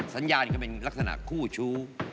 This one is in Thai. สัญญาณก็เป็นลักษณะคู่ชู้